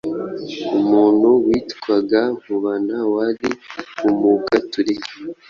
umuntu witwagankubana wali umugaturika.